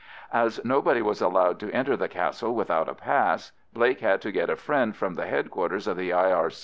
As nobody was allowed to enter the Castle without a pass, Blake had to get a friend from the headquarters of the R.